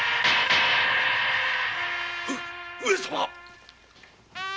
上様⁉